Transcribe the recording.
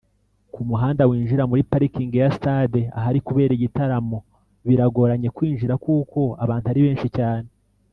Ku muhanda winjira muri Parking ya Stade ahari kubera igitaramo biragoranye kwinjira kuko abantu ari benshi cyane